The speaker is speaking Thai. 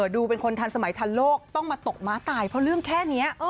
ดูเป็นคนทันสมัยทันโลกต้องมาตกม้าตายเพราะเรื่องแค่นี้